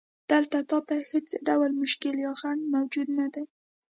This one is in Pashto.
دلته تا ته هیڅ ډول مشکل یا خنډ موجود نه دی.